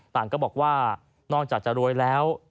ต่างก็บอกว่านอกจากจะรวยแล้ว